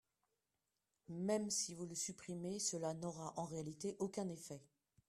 Même si vous le supprimez, cela n’aura en réalité aucun effet.